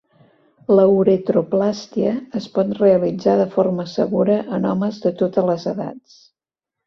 La uretroplàstia es pot realitzar de forma segura en homes de totes les edats.